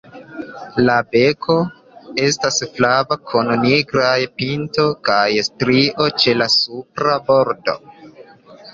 La beko estas flava kun nigraj pinto kaj strio ĉe la supra bordo.